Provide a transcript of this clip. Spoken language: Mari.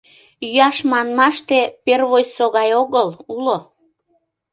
Йӱаш манмаште, первойсо гай огыл, — уло.